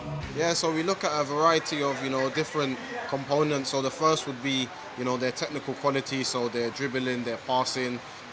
di sini kita bisa melihat kekuatan pemain terbaik dari pelatih dan kekuatan pemain terbaik dari pelatih